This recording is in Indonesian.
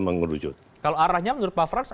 mengerucut kalau arahnya menurut pak frans